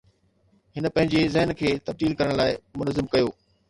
هن پنهنجي ذهن کي تبديل ڪرڻ لاء منظم ڪيو